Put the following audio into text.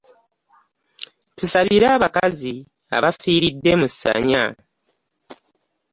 Tusabire abakazi abafiiridde mu ssanya.